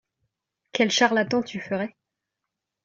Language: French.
Quel charlatan tu ferais !…